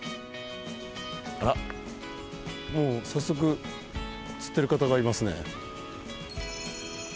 あらもう早速釣ってる方がいますね。